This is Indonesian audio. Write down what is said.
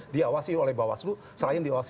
diawasi oleh bawaslu selain diawasi